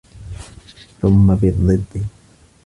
ثُمَّ بِالضِّدِّ